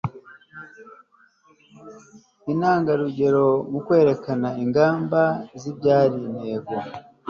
intangarugero mu kwerekana ingamba zibyara intego